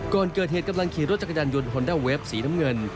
ก่อนเกิดเหตุกำลังขี่รถจักรยานยนต์ฮอนด้าเวฟสีน้ำเงิน